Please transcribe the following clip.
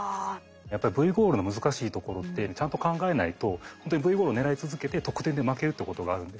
やっぱりＶゴールの難しいところってちゃんと考えないと本当にＶゴール狙い続けて得点で負けるってことがあるんですね。